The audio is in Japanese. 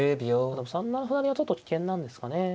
でも３七歩成はちょっと危険なんですかね。